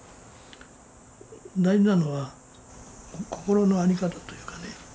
大事なのは心の在り方というかね。